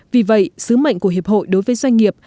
vì vậy sứ mệnh của hiệp hội đối với doanh nghiệp